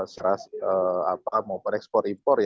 serta mau penekspor impor